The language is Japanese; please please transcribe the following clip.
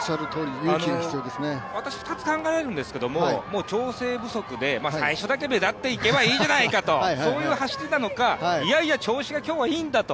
私、２つ考えるんですけど調整不足で最初だけ目立っていけばいいじゃないかと、そういう走りなのか、いやいや調子が今日はいいんだと。